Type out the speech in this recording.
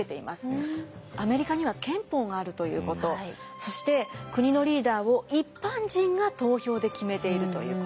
アメリカには憲法があるということそして国のリーダーを一般人が投票で決めているということ。